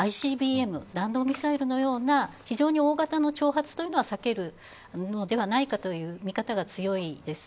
弾道ミサイルのような非常に大型の挑発というのは避けるのではないかという見方が強いです。